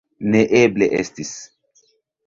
Neeble estis!